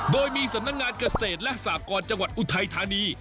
โดยมีสำนักงานเกษตรและสากรจังหวัดอุทัยธานี